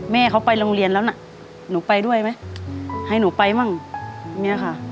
แม่เขาไปโรงเรียนแล้วนะหนูไปด้วยไหมให้หนูไปมั่งเนี่ยค่ะ